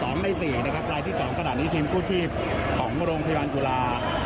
ในสี่นะครับรายที่สองขณะนี้ทีมกู้ชีพของโรงพยาบาลจุฬา